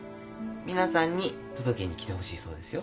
ミナさんに届けに来てほしいそうですよ。